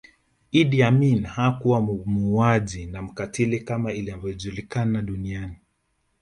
Idi Amin hakuwa muuaji na mkatili kama inavyojulikana duniani